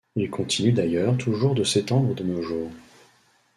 Il continue d'ailleurs toujours de s'étendre de nos jours.